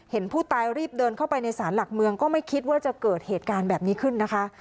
เห็นผู้ตายรีบเดินเข้าไปในศาลหลักเมืองก็ไม่คิดว่าจะเกิดเหตุการณ์แบบนี้ขึ้นนะคะ